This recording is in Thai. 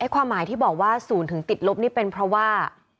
ความหมายที่บอกว่าศูนย์ถึงติดลบนี่เป็นเพราะว่า